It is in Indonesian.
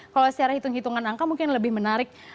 kalau secara hitung hitungan angka mungkin lebih menarik